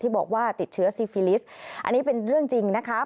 บอกว่าติดเชื้อซีฟิลิสต์อันนี้เป็นเรื่องจริงนะคะ